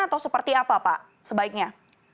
atau seperti apa pak sebaiknya